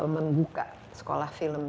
mengbuka sekolah film